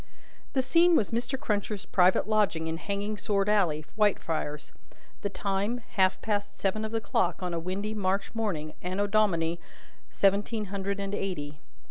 The scene was Mr. Cruncher's private lodging in Hanging sword alley, Whitefriars: the time, half past seven of the clock on a windy March morning, Anno Domini seventeen hundred and eighty.